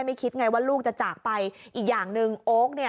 คิดไงว่าลูกจะจากไปอีกอย่างหนึ่งโอ๊คเนี่ย